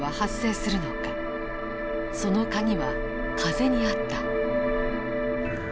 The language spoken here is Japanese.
その鍵は風にあった。